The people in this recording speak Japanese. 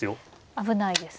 危ないですね。